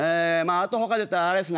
あとほかで言うたらあれですね。